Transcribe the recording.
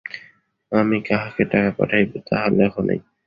আমি কাহাকে টাকা পাঠাইব, তাহা লেখ নাই।